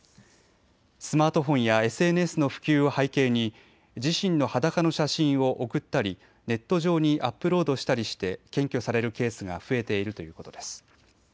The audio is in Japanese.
スマートフォンやＳＮＳの普及を背景に自身の裸の写真を送ったりネット上にアップロードしたりして検挙されるケースが増えているということです。